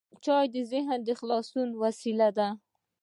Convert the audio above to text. چای د ذهن د خلاصون وسیله ده.